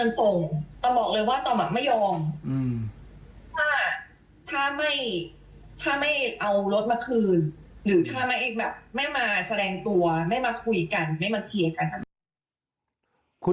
มันส่งต้องบอกเลยว่าต้องไม่ยอมถ้าไม่เอารถมาคืนหรือถ้าไม่มาแสดงตัวไม่มาคุยกันไม่มาเคลียร์กัน